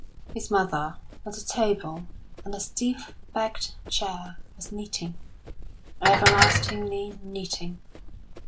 His mother, at the table, on a stiff backed chair, was knitting everlastingly knitting.